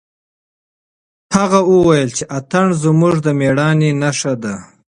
هغه وویل چې اتڼ زموږ د مېړانې نښه ده.